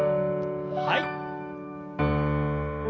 はい。